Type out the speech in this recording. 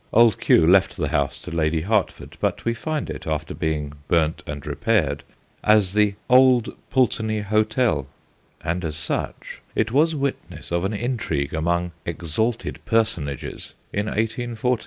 Old Q. left the house to Lady Hertford, but we find it, after being burnt and repaired, as the * Old Pulteney Hotel/ And as such it was witness of an intrigue among * exalted personages ' in 1814.